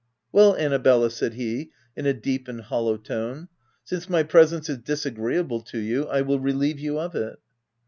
" Well, Annabelta," said he, in a deep and hollow tone, " since my presence is disagreeable to you, I will relieve you of it."